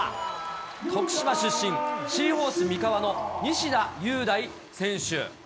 徳島出身、シーホース三河の西田優大選手。